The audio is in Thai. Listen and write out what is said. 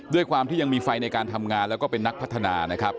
ด้วยความที่ยังมีไฟในการทำงานแล้วก็เป็นนักพัฒนานะครับ